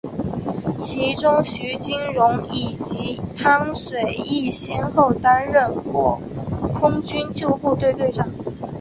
其中徐金蓉以及汤水易先后担任过空军救护队队长。